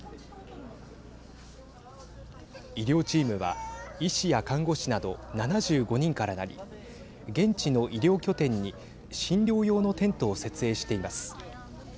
医療チームは医師や看護師など７５人からなり現地の医療拠点に診療用のテントを設営しています。